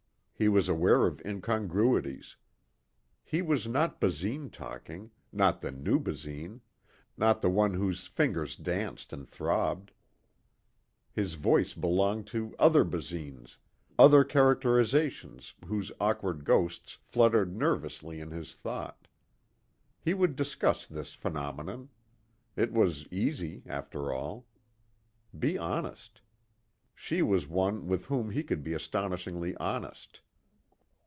He was aware of incongruities. He was not Basine talking, not the new Basine, not the one whose fingers danced and throbbed. His voice belonged to other Basines other characterizations whose awkward ghosts fluttered nervously in his thought. He would discuss this phenomenon. It was easy, after all. Be honest. She was one with whom he could be astonishingly honest.